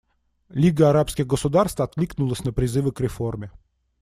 Лига арабских государств откликнулась на призывы к реформе.